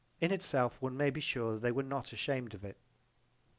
In itself one may be sure they were not ashamed of it.